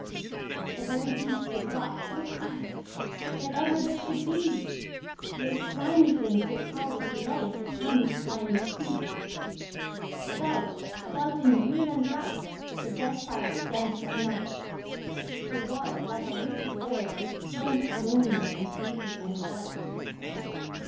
The very deep did rot: O Christ! That ever this should be! Yea, slimy things did crawl with legs Upon the slimy sea. About, about, in reel and rout The death fires danced at night; The water, like a witch's oils, Burnt green, and blue and white.